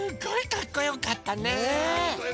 かっこよかったね。